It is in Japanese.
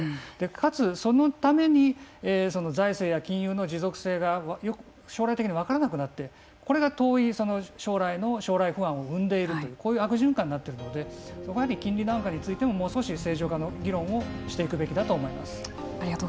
かつ、そのために財政や金融の持続性が将来的に分からなくなってこれが遠い将来不安生んでいるとこういう悪循環になっているので金利段階についてももう少し正常化の議論をしていくべきだと思います。